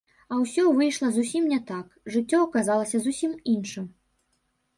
А ўсё выйшла зусім не так, жыццё аказалася зусім іншым.